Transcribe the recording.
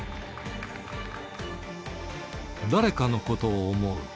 誰かのことを想う。